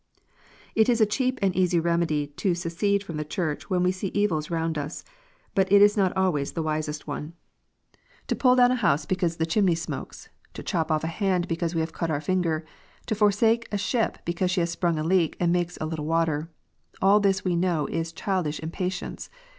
It is a cheap and easy remedy to secede from a Church when we see evils round us, but it is not always the wisest one. To 186 KNOTS UNTIED. C"\ down a house because the chimney smokes, to chop off a d because we have cut our finger, to forsake a ship because she has sprung a leak and makes a little water, all this we know is childish impatience.